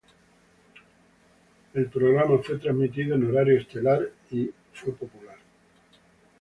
El programa fue transmitido en horario estelar y fue popular.